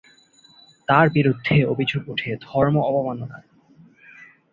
তার বিরুদ্ধে অভিযোগ ওঠে ধর্ম অবমাননার।